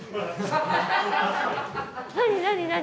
何？